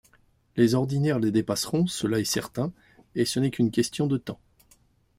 Les Ordinaires les dépasseront, cela est certain, et ce n'est qu'une question de temps.